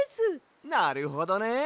なるほどね！